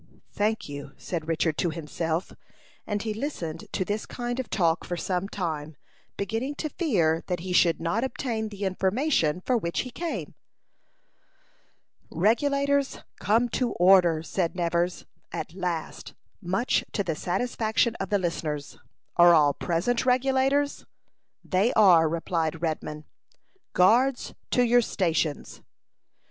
"Thank you," said Richard to himself; and he listened to this kind of talk for some time, beginning to fear that he should not obtain the information for which he came. "Regulators, come to order!" said Nevers, at last, much to the satisfaction of the listeners. "Are all present Regulators?" "They are," replied Redman. "Guards, to your stations."